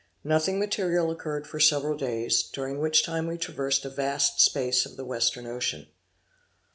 Nothing material occurred for several days, during which time we traversed a vast space of the Western Ocean.